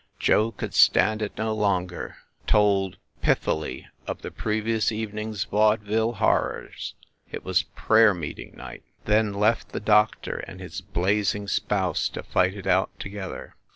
Joe could stand it no longer, told, pithily, of the previous evening s vaudeville horrors (it was prayer meeting night) then left the doctor and his blazing spouse to fight it out together.